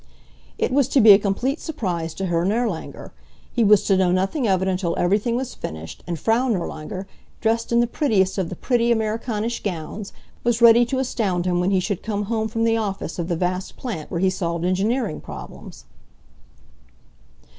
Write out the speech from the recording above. It was to be a complete surprise to Herr Nirlanger. He was to know nothing of it until everything was finished and Frau Nirlanger, dressed in the prettiest of the pretty Amerikanisch gowns, was ready to astound him when he should come home from the office of the vast plant where he solved engineering problems.